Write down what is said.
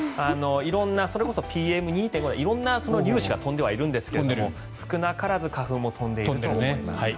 色んなそれこそＰＭ２．５とか色んな粒子が飛んではいるんですが少なからず花粉も飛んでいると思います。